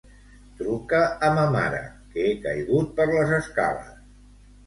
Truca a ma mare, que he caigut per les escales.